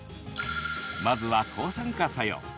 まずは、抗酸化作用。